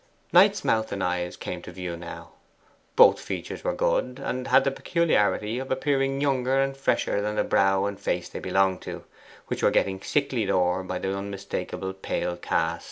Knight's mouth and eyes came to view now. Both features were good, and had the peculiarity of appearing younger and fresher than the brow and face they belonged to, which were getting sicklied o'er by the unmistakable pale cast.